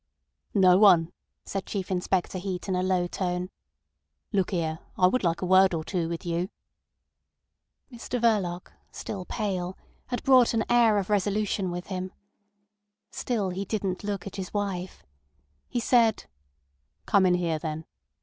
"No one," said Chief Inspector Heat in a low tone. "Look here, I would like a word or two with you." Mr Verloc, still pale, had brought an air of resolution with him. Still he didn't look at his wife. He said: "Come in here, then."